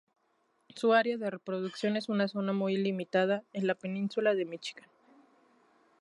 Su área de reproducción es una zona muy limitada en la península de Michigan.